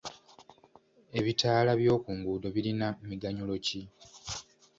Ebitaala by'oku nguudo birina miganyulo ki?